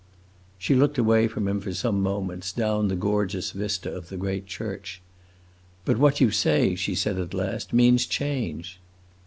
She looked away from him for some moments, down the gorgeous vista of the great church. "But what you say," she said at last, "means change!"